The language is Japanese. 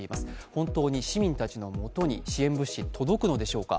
本当に市民たちのもとに支援物資が届くのでしょうか。